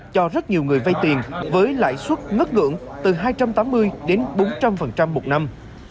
cho rất nhiều người vay tiền với lãi suất ngất ngưỡng từ hai trăm tám mươi đến bốn trăm linh một năm